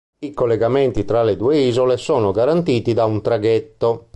I collegamenti tra le due isole sono garantiti da un traghetto.